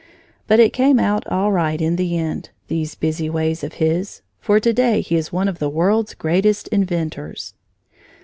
But it came out all right in the end, these busy ways of his, for to day he is one of the world's greatest inventors.